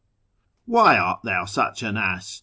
Why art thou such an ass